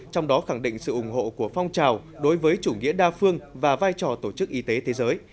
trong đó khẳng định sự ủng hộ của phong trào đối với chủ nghĩa đa phương và vai trò tổ chức y tế thế giới